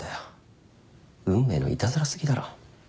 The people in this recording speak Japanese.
運命のいたずら過ぎだろ。